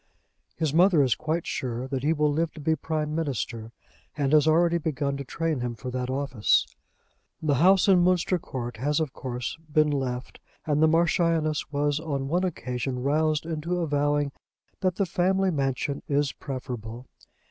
His mother is quite sure that he will live to be Prime Minister, and has already begun to train him for that office. The house in Munster Court has of course been left, and the Marchioness was on one occasion roused into avowing that the family mansion is preferable.